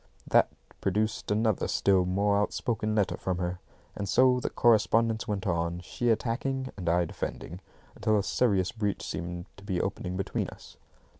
That produced another still more outspoken letter from her; and so the correspondence went on, she attacking and I defending, until a serious breach seemed to be opening between us.